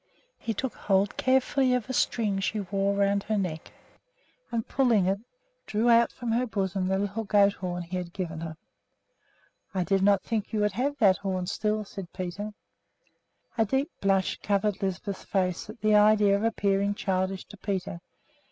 He took hold carefully of a string she wore around her neck, and, pulling it, drew out from her bosom the little goat horn he had given her. "I did not think you would have that horn still," said Peter. A deep blush covered Lisbeth's face at the idea of appearing childish to Peter.